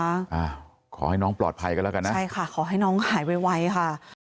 อ่าขอให้น้องปลอดภัยกันแล้วกันนะใช่ค่ะขอให้น้องหายไวค่ะ